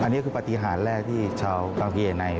อันนี้คือปฏิหารแรกที่ชาวกลางพิเยนัย